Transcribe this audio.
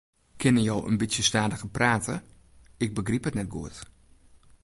Kinne jo in bytsje stadiger prate, ik begryp it net goed.